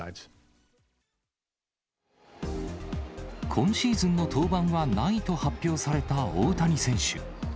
今シーズンの登板はないと発表された大谷選手。